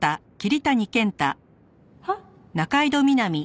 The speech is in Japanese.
はっ？